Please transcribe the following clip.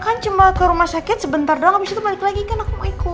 kan cuma ke rumah sakit sebentar doang abis itu balik lagi kan aku mau ikut